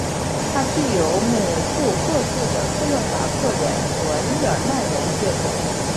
他具有母父各自的斯洛伐克人和日耳曼人血统。